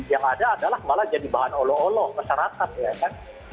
yang ada adalah malah jadi bahan olo olo masyarakat ya kan